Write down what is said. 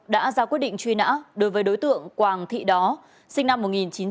đã ra quyết định truy nã đối với đối tượng quảng thị đó sinh năm một nghìn chín trăm tám mươi